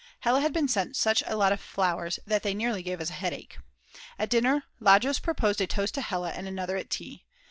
Hella had been sent such a lot of flowers that they nearly gave us a headache. At dinner Lajos proposed a toast to Hella and another at tea.